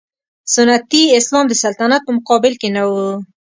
سنتي اسلام د سلطنت په مقابل کې نه و.